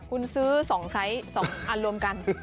คุณซื้อ๒ไซส์๒อันรวมกัน